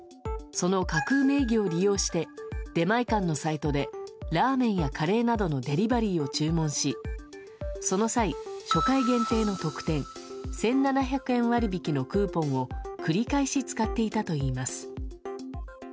その架空名義を利用して出前館のサイトでラーメンやカレーなどのデリバリーを注文しその際、初回限定の特典１７００円割引のクーポンを繰り返し使っていたといいます。